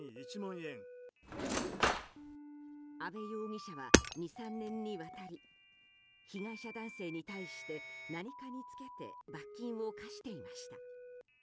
阿部容疑者は２３年にわたり被害者男性に対して何かにつけて罰金を科していました。